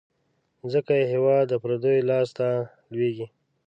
ځکه یې هیواد د پردیو لاس ته لوېږي.